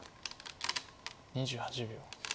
２８秒。